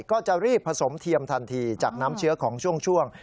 ก็จะรีบผสมเทียมทันทีจากน้ำเชื้อของช่วง